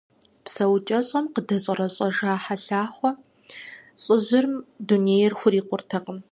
ПсэукӀэщӀэм къыдэщӀэрэщӀэжа Хьэлахъуэ лӀыжьым дунейр хурикъуркъым.